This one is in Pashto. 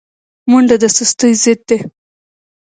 منډه د سستۍ ضد ده